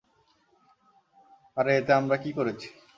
আরে এতে আমরা কি করেছি?